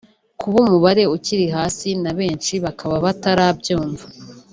Kuba umubare ukiri hasi na benshi bakaba batarabyumva